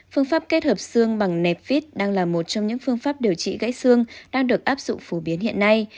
phương pháp kết hợp xương bằng nẹp vít đang là một trong những phương pháp điều trị gãy xương đang được áp dụng phổ biến hiện nay